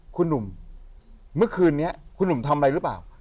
คุณหนุ่มเมื่อคืนนี้คุณหนุ่มทำอะไรหรือเปล่า